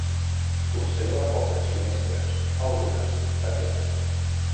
Conserva poques finestres, algunes tapiades.